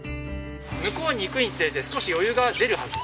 向こうに行くにつれて少し余裕が出るはず。